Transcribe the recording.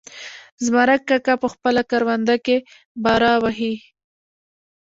زمرک کاکا په خپله کرونده کې باره وهي.